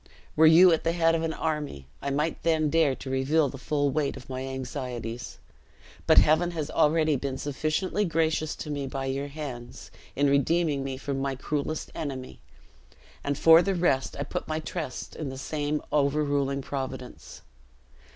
"Were you at the head of an army, I might then dare to reveal the full weight of my anxieties; but Heaven has already been sufficiently gracious to me by your hands, in redeeming me from my cruelest enemy; and for the rest, I put my trust in the same overruling Providence."